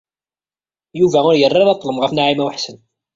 Yuba ur yerri ara ṭlem ɣef Naɛima u Ḥsen.